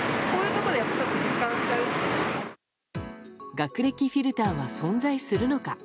学歴フィルターは存在するのか。